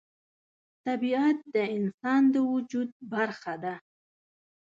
طبیعت د انسان د وجود برخه ده.